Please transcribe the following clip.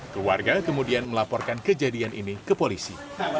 keluarga kemudian melaporkan kejadian ini ke polisi